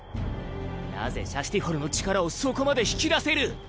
なぜシャスティフォルの力をそこまで引き出せる？